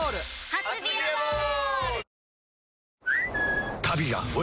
初「ビアボール」！